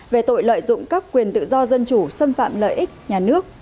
về tội lợi dụng các quyền tự do dân chủ xâm phạm lợi ích